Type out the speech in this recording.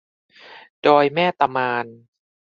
ดอยแม่ตะมาน